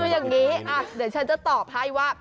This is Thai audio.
คืออย่างนี้เดี๋ยวฉันจะตอบให้ว่า